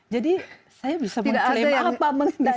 jadi saya bisa mengklaim apa mengenai